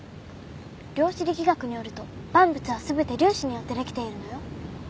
量子力学によると万物は全て粒子によってできているのよ